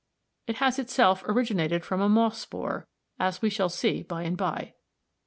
It has itself originated from a moss spore; as we shall see by and by.